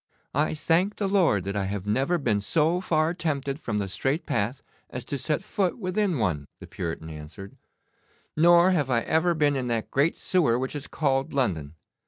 'I thank the Lord that I have never been so far tempted from the straight path as to set foot within one,' the Puritan answered, 'nor have I ever been in that great sewer which is called London.